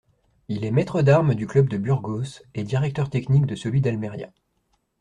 Il est maître d'armes du club de Burgos et directeur technique de celui d'Almería.